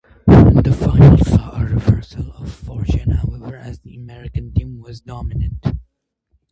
The final saw a reversal of fortune, however, as the American team was dominant.